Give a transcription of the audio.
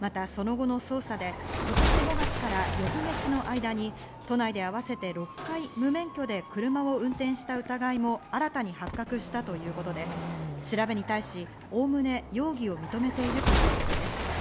またその後の捜査で今年５月から翌月の間に都内で合わせて６回、無免許で車を運転した疑いも新たに発覚したということで、調べに対し、おおむね容疑を認めているということです。